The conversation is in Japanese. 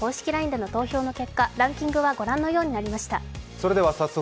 ＬＩＮＥでの投票の結果、ランキングはご覧のようになりました。